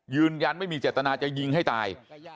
ยืนยันไม่มีเจตนาจะยิงให้ตาย